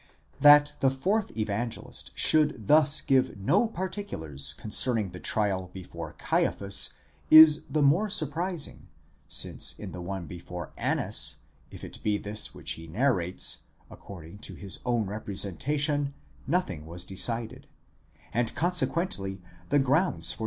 That the fourth Evangelist should thus give no particulars concerning the trial before Caiaphas is the more surprising, since in the one before Annas, if it be this which he narrates, according to his own representation nothing was decided, and consequently the grounds for the 10 Schleiermacher, iiber den Lukas, 5, 290.